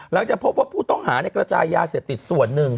หลังจากพบว่าผู้ต้องหาในกระจายยาเสพติดส่วนหนึ่ง